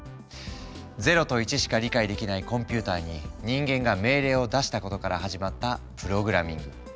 ０と１しか理解できないコンピューターに人間が命令を出したことから始まったプログラミング。